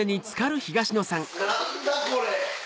何だこれ。